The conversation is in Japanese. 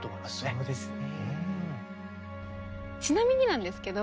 そうですね。